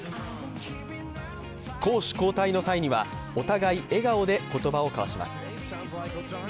攻守交代の際には、お互い笑顔で言葉を交わします。